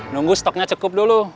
nunggu stoknya cukup dulu